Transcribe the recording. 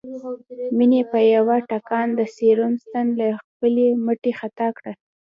مينې په يوه ټکان د سيروم ستن له خپلې مټې خطا کړه